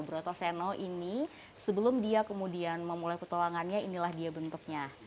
brotoseno ini sebelum dia kemudian memulai petualangannya inilah dia bentuknya